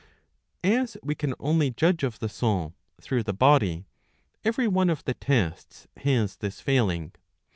As we can only judge of the soul through the body, every one of the tests has this failing.